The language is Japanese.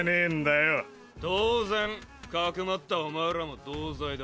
当然かくまったお前らも同罪だ。